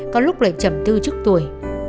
có lúc lại chẩm thư trước đời